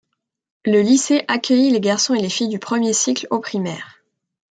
Le lycée accueillit les garçons et les filles du premier cycle au primaire.